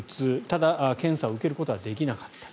ただ、検査を受けることはできなかった。